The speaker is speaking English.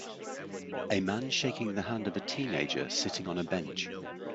A man shaking the hand of a teenager sitting on a bench.